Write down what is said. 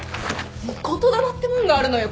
言霊ってもんがあるのよ